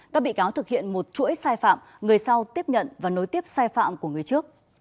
các bị cáo thực hiện một chuỗi sai phạm người sau tiếp nhận và nối tiếp sai phạm của người trước